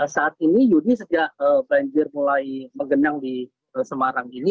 saat ini yudi sejak banjir mulai menggenang di semarang ini